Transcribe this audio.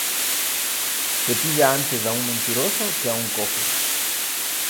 Se pilla antes a un mentiroso que a un cojo